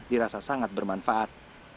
dirasa sangat bermanfaat